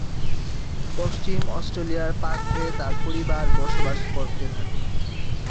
পশ্চিম অস্ট্রেলিয়ার পার্থে তার পরিবার বসবাস করতে থাকেন।